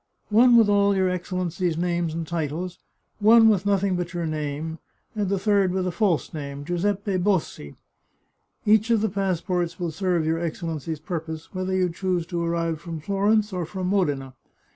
One with all your Excellency's names and titles, one with nothing but your name, and the third with a false name, Giuseppe Bossi. Each of the passports will serve your Excellency's purpose, whether you choose to arrive from Florence or from Modena.